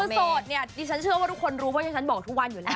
โสดเนี่ยดิฉันเชื่อว่าทุกคนรู้เพราะที่ฉันบอกทุกวันอยู่แล้ว